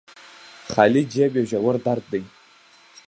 خالي جب يو ژور درد دې